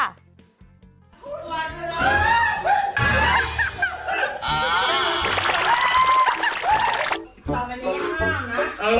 โทษมากเลยนะ